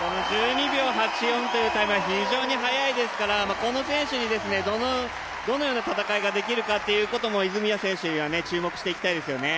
１２秒８４というタイムは非常に速いですからこの選手にどのような戦いができるかということも泉谷選手には、注目していきたいですね。